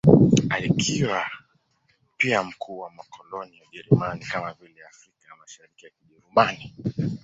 Akiwa pia mkuu wa makoloni ya Ujerumani, kama vile Afrika ya Mashariki ya Kijerumani.